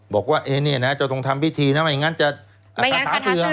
บอกว่าเนี้ยนะฮะจะต้องทำวิธีนะไม่งั้นจะไม่งั้นขาถาเสื่อม